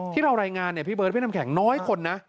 ที่เรารายงานเนี่ยพี่เบิร์ดพี่น้ำแข็งน้อยคนนะ